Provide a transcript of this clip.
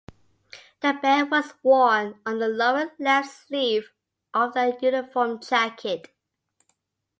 The band was worn on the lower left sleeve of the uniform jacket.